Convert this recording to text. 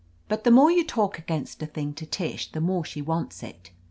But the more you talk against a thing to Tish the more she wants it.